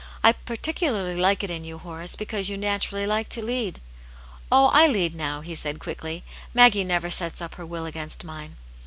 " I particularly like it in you, Horace, because you natu rally like to lead." "Oh, I lead now," he said, quickly, ''Maggie never sets up her will against mine."